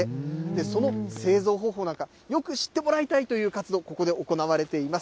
その製造方法なんか、よく知ってもらいたいという活動、ここで行われています。